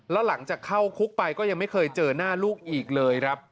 แล้วหลังจากเข้าคุกไปก็ยังไม่เคยเจอหน้าลูกอีกเลยครับ